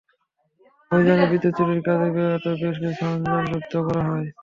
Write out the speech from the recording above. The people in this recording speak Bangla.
অভিযানে বিদ্যুৎ চুরির কাজে ব্যবহৃত বেশ কিছু সরঞ্জাম জব্দ করা হয়।